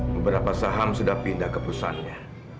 beberapa saham sudah pindah ke perusahaannya